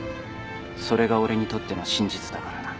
それが俺にとっての真実だからな。